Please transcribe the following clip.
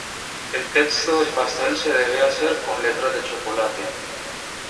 El texto del pastel se debe hacer con letras de chocolate.